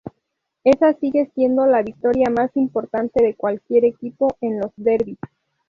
Esa sigue siendo la victoria más importante de cualquier equipo en los derbis.